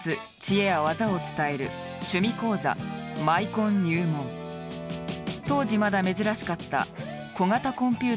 当時まだ珍しかった小型コンピューターの入門編である。